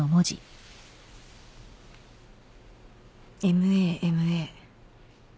ＭＡＭＡ。